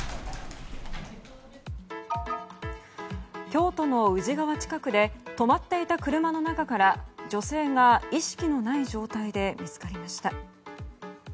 京都の宇治川近くで止まっていた車の中から女性が意識のない状態で見つかりました。